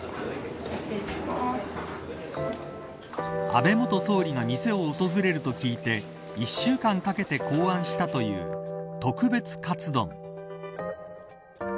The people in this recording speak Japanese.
安倍元総理が店を訪れると聞いて１週間かけて考案したという特別カツ丼。